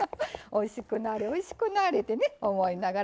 おいしくなれおいしくなれってね思いながら。